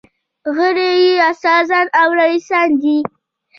غړي یې استادان او رییسان دي.